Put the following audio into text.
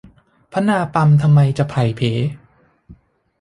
พนาปำทำไมจะไพล่เผล